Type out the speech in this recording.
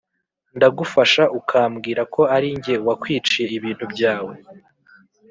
Ndagufasha ukambwira ko ari njye wakwiciye ibintu byawe